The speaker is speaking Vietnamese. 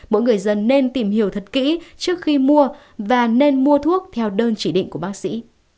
mỗi người dân nên tìm hiểu thật kỹ trước khi mua và nên mua thuốc theo đơn chỉ định của bác sĩ